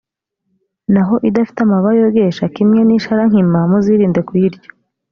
naho idafite amababa yogesha, kimwe n’isharankima, muzirinde kuyirya